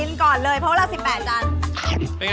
อ๋อมันไม่มีอะไรถอดใช่ไหมอะ